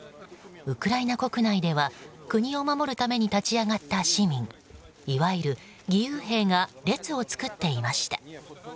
ウクライナ国内では国を守るために立ち上がった市民いわゆる義勇兵が列を作っていました。